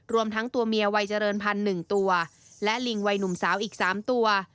รวมทั้งตัวเมียวัยเจริญพันธุ์๑ตัวและลิงวัยหนุ่มสาวอีก๓ตัว